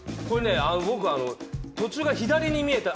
僕、途中から左に見えて。